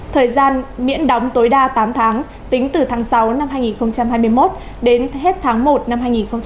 thời gian miễn đóng tối đa tám tháng tính từ tháng sáu năm hai nghìn hai mươi một đến hết tháng một năm hai nghìn hai mươi